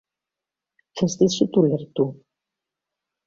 Ez dizut ulertu